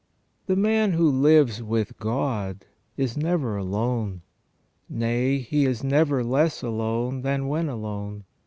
119 The man who lives with God is never alone. Nay, he is never less alone than when alone.